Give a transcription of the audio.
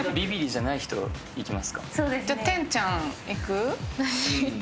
じゃあ天ちゃんいく？